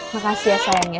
makasih ya sayangnya